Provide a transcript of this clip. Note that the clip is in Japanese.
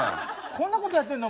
こんなことやってんの？